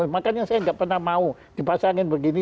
makanya saya nggak pernah mau dipasangin begini